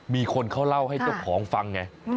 มีคนเขาเล่าให้เจ้าของฟังไง